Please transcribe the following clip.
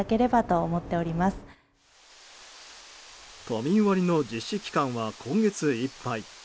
都民割の実施期間は今月いっぱい。